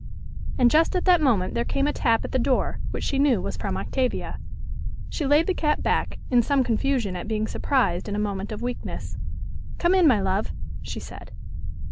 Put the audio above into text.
And just at that moment there came a tap at the door, which she knew was from Octavia. She laid the cap back, in some confusion at being surprised in a moment of weakness. "Come in, my love," she said.